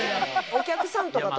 お客さんとかと。